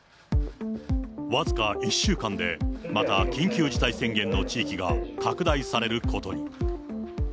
僅か１週間で、また緊急事態宣言の地域が拡大されることに。